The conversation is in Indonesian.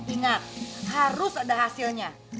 ingat harus ada hasilnya